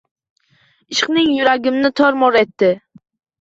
Ishqing yuragimni tor-mor etdi